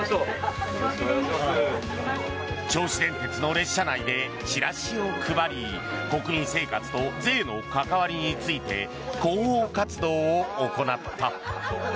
銚子電鉄の列車内でチラシを配り国民生活と税の関わりについて広報活動を行った。